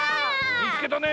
みつけたね。